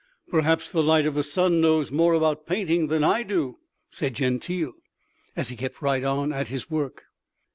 "Perhaps the Light of the Sun knows more about painting than I do!" said Gentile, as he kept right on at his work.